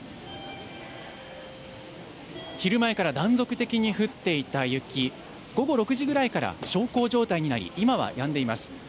昼前から断続的に降っていた雪、午後６時ぐらいから小康状態になり、今はやんでいます。